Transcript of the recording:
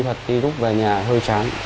thật khi lúc về nhà hơi chán